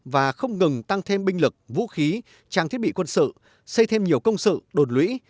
và không ngừng tăng thêm binh lực vũ khí trang thiết bị quân sự xây thêm nhiều công sự đột lũy